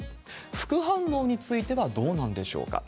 副反応についてはどうなんでしょうか。